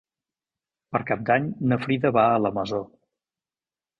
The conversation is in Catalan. Per Cap d'Any na Frida va a la Masó.